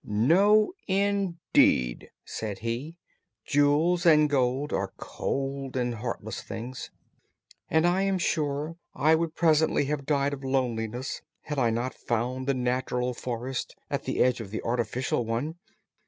"No, indeed," said he. "Jewels and gold are cold and heartless things, and I am sure I would presently have died of loneliness had I not found this natural forest at the edge of the artificial one.